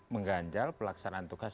mengganjal pelaksanaan tugas